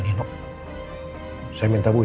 depan dari nama aku